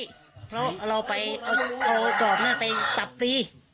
ได้ใช้เพราะเราไปเอาจอบนั้นไปตับปี